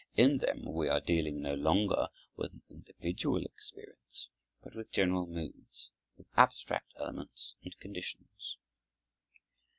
In them we are dealing no longer with an individual experience, but with general moods, with abstract elements and conditions.